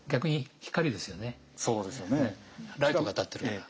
ライトが当たってるから。